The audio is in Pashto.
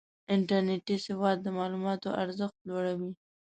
انټرنېټي سواد د معلوماتو ارزښت لوړوي.